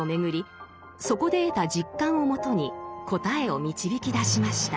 そこで得た実感をもとに答えを導き出しました。